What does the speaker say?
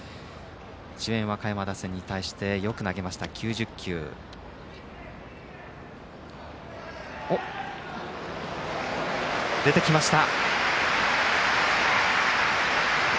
智弁和歌山打線に対してよく投げました、９０球。出てきました。